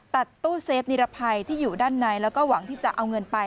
ตัดตู้เซฟนิรภัยที่อยู่ด้านในแล้วก็หวังที่จะเอาเงินไป